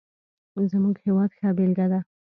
زموږ هېواد ښه بېلګه ده.